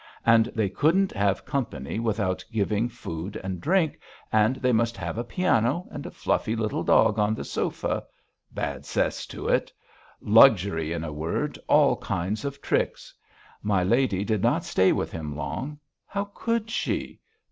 And they couldn't have company without giving food and drink, and they must have a piano and a fluffy little dog on the sofa bad cess to it.... Luxury, in a word, all kinds of tricks. My lady did not stay with him long. How could she?